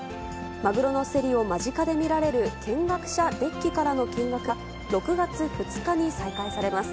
マグロの競りを間近で見られる見学者デッキからの見学は、６月２日に再開されます。